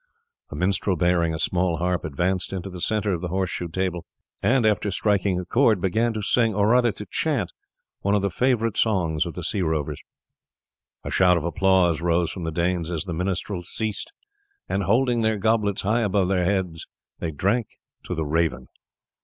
A minstrel bearing a small harp advanced into the centre of the horse shoe table, and after striking a chord, began to sing, or rather to chant one of the favourite songs of the sea rovers. A shout of applause rose from the Danes as the minstrel ceased, and holding their goblets high above their heads, they drank to the Raven.